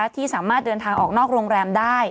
ที่สามารถเดินทางออกนอกโรงแรมได้